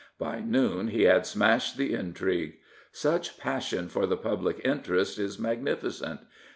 By noon he had smashed the intrigue. Such passion for the public interest is magnificent.